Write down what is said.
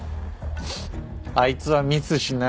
あいつはミスしない。